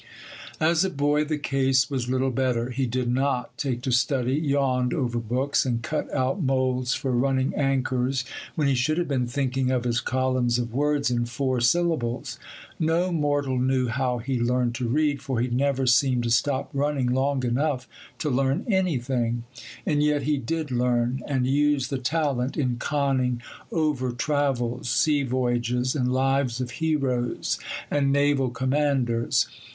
As a boy, the case was little better. He did not take to study, yawned over books, and cut out moulds for running anchors when he should have been thinking of his columns of words in four syllables. No mortal knew how he learned to read, for he never seemed to stop running long enough to learn anything; and yet he did learn, and used the talent in conning over travels, sea voyages, and lives of heroes and naval commanders.